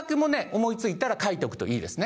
思いついたら書いておくといいですね。